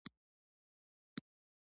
دا جلسې په مختلفو مودو کې دایریږي.